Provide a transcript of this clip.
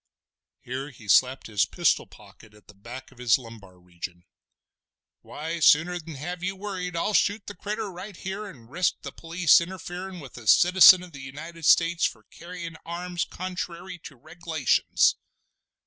Here he slapped his pistol pocket at the back of his lumbar region. "Why sooner'n have you worried, I'll shoot the critter, right here, an' risk the police interferin' with a citizen of the United States for carryin' arms contrairy to reg'lations!"